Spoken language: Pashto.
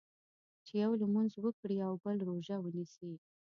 چې یو لمونځ وکړي او بل روژه ونیسي.